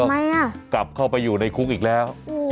ทำไมอ่ะกลับเข้าไปอยู่ในคุกอีกแล้ว